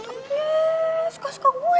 iya suka suka gue